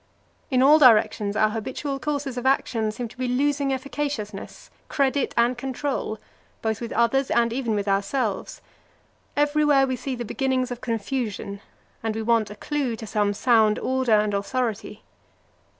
In all directions our habitual courses of action seem to be losing efficaciousness, credit, and control, both with others and even with ourselves; everywhere we see the beginnings of confusion, and we want a clue to some sound order and authority.